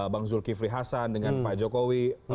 bang zulkifli hasan dengan pak jokowi